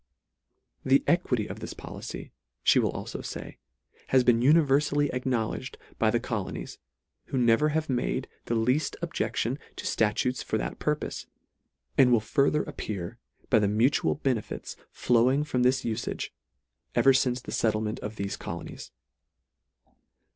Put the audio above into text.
The equity of this policy, fhe will alfo fay, has been univerfally acknowledged by the colonies, who never have made the leaft ob jection to fbatutes for that purpofe ; and will further appear by the mutual benefits flowing from this ufage, ever fince the fettlement of thefe colonies.